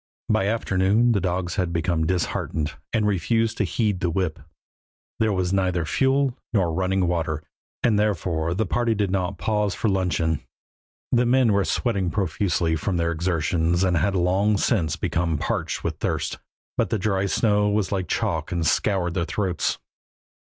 By afternoon the dogs had become disheartened and refused to heed the whip. There was neither fuel nor running water, and therefore the party did not pause for luncheon. The men were sweating profusely from their exertions and had long since become parched with thirst, but the dry snow was like chalk and scoured their throats.